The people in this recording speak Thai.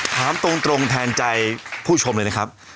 ถามตรงแทนใจผู้ชมเลยนะครับ